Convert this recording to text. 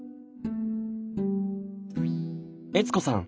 悦子さん